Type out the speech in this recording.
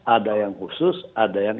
ada yang khusus ada yang